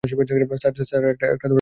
Sir, একটা বিকল্প রাস্তা পেয়েছি!